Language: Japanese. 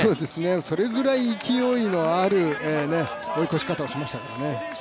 それぐらい勢いのある追い越し方をしましたもんね。